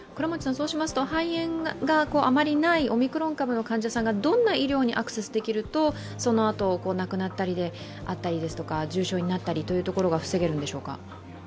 肺炎があまりない、オミクロン株の患者さんがどんな医療にアクセスできるとそのあと亡くなったりですとか重症になったりというところが防げるんでしょうか。